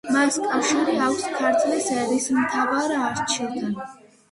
მას კავშირი აქვს ქართლის ერისმთავარ არჩილთან.